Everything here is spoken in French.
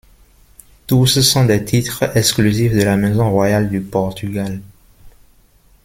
Tous sont des titres exclusifs de la maison royale du Portugal.